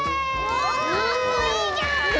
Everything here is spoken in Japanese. おっかっこいいじゃん！